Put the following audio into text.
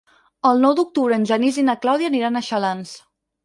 El nou d'octubre en Genís i na Clàudia aniran a Xalans.